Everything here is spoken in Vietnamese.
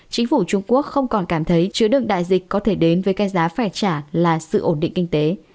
chính phủ trung quốc không còn cảm thấy chứa được đại dịch có thể đến với cái giá phải trả là sự ổn định kinh tế